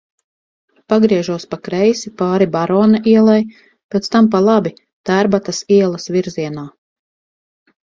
Pagriežos pa kreisi, pāri Barona ielai, pēc tam pa labi, Tērbatas ielas virzienā.